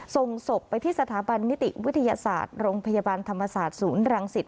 ส่งศพไปที่สถาบันนิติวิทยาศาสตร์โรงพยาบาลธรรมศาสตร์ศูนย์รังสิต